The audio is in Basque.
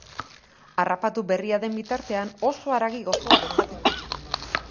Harrapatu berria den bitartean oso haragi gozoa du jateko.